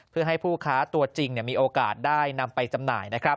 เพื่อให้ผู้ค้าตัวจริงมีโอกาสได้นำไปจำหน่ายนะครับ